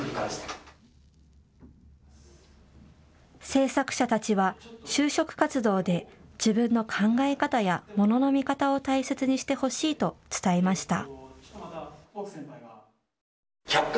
制作者たちは、就職活動で自分の考え方やものの見方を大切にしてほしいと伝えました。